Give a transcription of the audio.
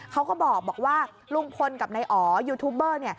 เขาก็บอกว่าลุงพลกับนายอ๋อยูทูบเบอร์